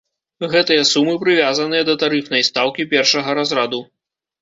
Гэтыя сумы прывязаныя да тарыфнай стаўкі першага разраду.